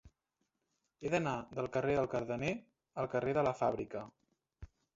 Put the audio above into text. He d'anar del carrer del Cardener al carrer de la Fàbrica.